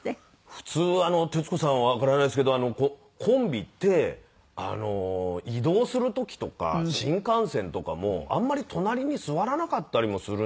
普通徹子さんはわからないですけどコンビって移動する時とか新幹線とかもあんまり隣に座らなかったりもするんですよ。